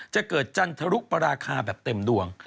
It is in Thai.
จะเกิดจันทรุปราคาแบบเต็มดวง